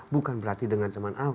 bukan berarti dengan teman ahok